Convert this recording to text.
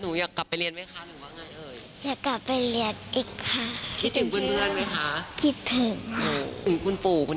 หนูอยากกลับไปเรียนไหมคะหรือว่าไงเอ่ย